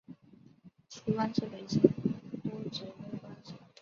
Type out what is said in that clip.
其官至北京都指挥使。